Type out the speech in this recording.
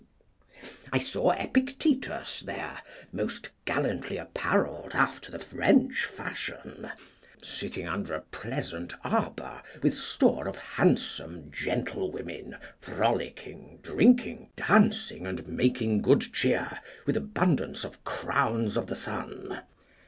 I saw Epictetus there, most gallantly apparelled after the French fashion, sitting under a pleasant arbour, with store of handsome gentlewomen, frolicking, drinking, dancing, and making good cheer, with abundance of crowns of the sun.